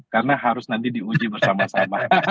karena harus nanti diuji bersama sama